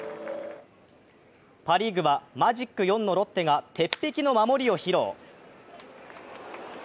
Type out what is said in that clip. パ・リーグはマジック４のロッテが鉄壁の守りを披露。